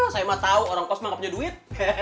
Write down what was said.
saya mah tahu orang kosmang nggak punya duit